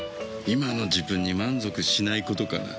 今の自分に満足しないことかな。